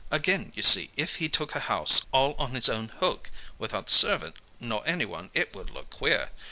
Again, you see, if he took a house all on his own hook, without servant nor anyone, it would look queer.